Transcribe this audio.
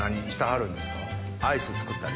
アイス作ったり？